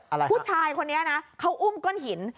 อะไรผู้ชายคนนี้นะเขาอุ้มก้นหิน